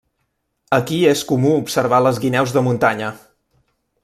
Aquí és comú observar les guineus de muntanya.